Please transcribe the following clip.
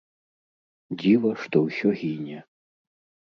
Дзіва, што ўсё гіне.